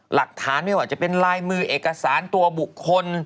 หลักฐานไม่ว่าจะเป็นลายมือเอกสารตัวบุคคล